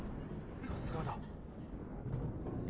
さすがだ。